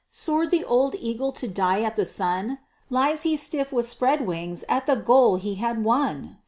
soar'd the old eagle to die at the sun! Lies he stiff with spread wings at the goal he had won!